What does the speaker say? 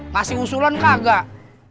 kasih usulan kagak